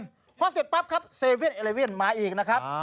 พอเสร็จปั๊บครับ๗๑๑มาอีกนะครับ